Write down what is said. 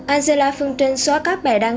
angela phương trình xóa các bài đăng